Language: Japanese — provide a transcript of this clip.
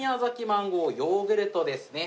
マンゴーヨーグルトですね。